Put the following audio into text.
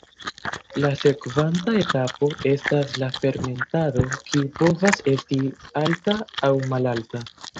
La sekvanta etapo estas la fermentado kiu povas esti alta aŭ malalta.